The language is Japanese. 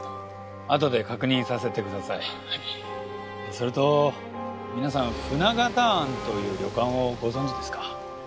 それと皆さん「舟形庵」という旅館をご存じですか？